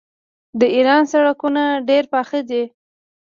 د ایران سړکونه ډیر پاخه دي.